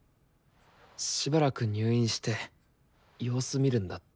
しばらく入院して様子見るんだって。